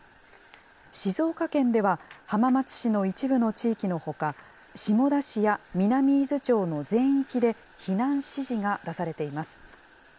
静岡県では浜松市の一部の地域のほか、下田市や南伊豆町の全域で、避難指示が出されています。